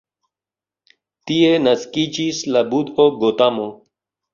Tie naskiĝis la budho Gotamo.